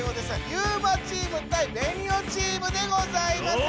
ユウマチーム対ベニオチームでございます！